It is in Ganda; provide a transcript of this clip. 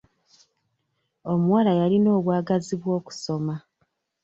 Omuwala yalina obwagazi bw'okusoma.